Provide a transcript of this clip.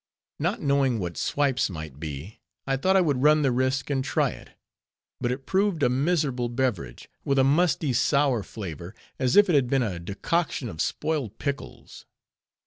Not knowing what "swipes" might be, I thought I would run the risk and try it; but it proved a miserable beverage, with a musty, sour flavor, as if it had been a decoction of spoiled pickles.